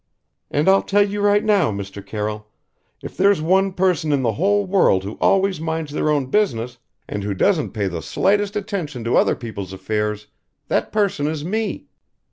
And I'll tell you right now, Mr. Carroll if there's one person in the whole world who always minds their own business and who doesn't pay the slightest attention to other peoples' affairs that person is me.